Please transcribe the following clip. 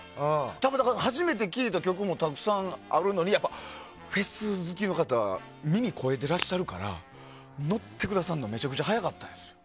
初めて聞いた曲もたくさんあるのにフェス好きの方は耳が肥えていらっしゃるから乗ってくださるのめっちゃ早かったです。